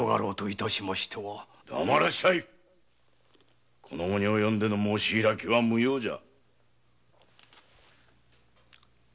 黙らっしゃいこの期に及んでの申し開きは無用じゃ。